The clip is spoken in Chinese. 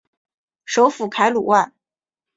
首府凯鲁万。